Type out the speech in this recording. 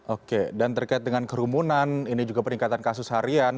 oke dan terkait dengan kerumunan ini juga peningkatan kasus harian